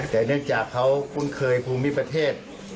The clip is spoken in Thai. แต่เนื่องจากเขาคุ้นเคยภูมิประเทศ